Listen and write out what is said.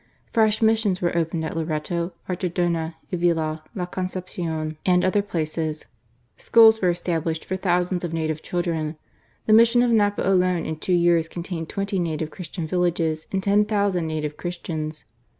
Fresh missions were opened at Loreto, Archidona, Avila, La Concepcion, and other places ; schools were established for thousands of native children ; the mission of Napo alone in two years contained twenty native Christian villages and 10,000 native Christians.